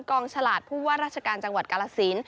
ฉลาดผู้ว่าราชการจังหวัดกาลสิน